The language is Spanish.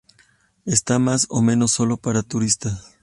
Están más o menos solo para turistas.